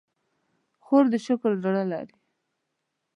خور د شکر زړه لري.